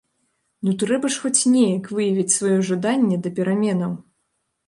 Ну трэба ж хоць неяк выявіць сваё жаданне да пераменаў?